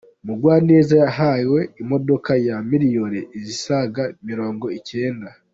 mugwaneza yahawe imodoka ya Miliyoni zisaga mirongo icyenda